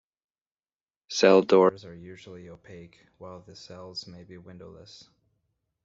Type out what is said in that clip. Cell doors are usually opaque, while the cells may be windowless.